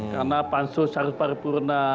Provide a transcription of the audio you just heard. karena pansus harus paripurna